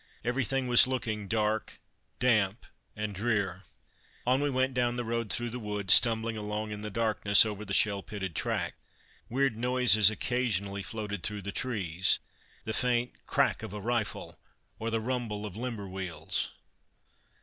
Everything was looking dark, damp and drear. On we went down the road through the wood, stumbling along in the darkness over the shell pitted track. Weird noises occasionally floated through the trees; the faint "crack" of a rifle, or the rumble of limber wheels.